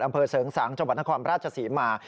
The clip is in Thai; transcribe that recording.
อำเภอเสริงสางจนครราชสีมา